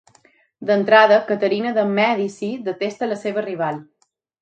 D'entrada, Caterina de Mèdici detesta la seva rival.